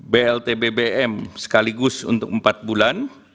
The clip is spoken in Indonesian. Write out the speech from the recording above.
bltbbm sekaligus untuk empat bulan